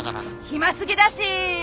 暇すぎだし！